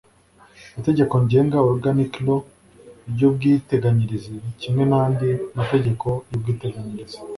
itegeko ngenga (organic law) ry'ubwiteganyirize kimwe n'andi mategeko y'ubwiteganyirize